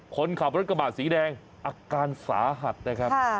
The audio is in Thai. คนขับรถกระบะสีแดงอาการสาหัสนะครับ